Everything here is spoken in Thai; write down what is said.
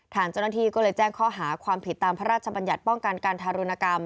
ทางเจ้าหน้าที่ก็เลยแจ้งข้อหาความผิดตามพระราชบัญญัติป้องกันการทารุณกรรม